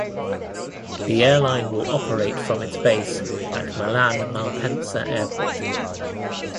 The airline will operate from its base at Milan Malpensa Airport.